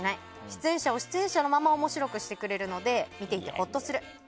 出演者を出演者のまま面白くしてくれるので見ていてほっとする。